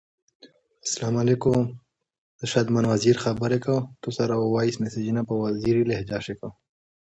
The restaurant was originally owned by the Langham Hotel of rue de Mogador.